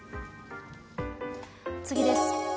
次です。